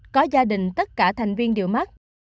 có gia đình tất cả thành viên đều mắc